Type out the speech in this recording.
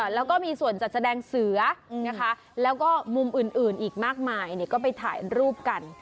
แล้วก็มีส่วนจัดแสดงเสือนะคะแล้วก็มุมอื่นอีกมากมายก็ไปถ่ายรูปกัน